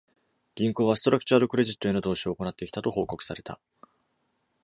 銀行は、ストラクチャード・クレジットへの投資を行ってきたと報告された。